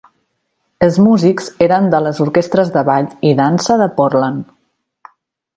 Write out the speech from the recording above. Els músics eren de les orquestres de ball i dansa de Portland.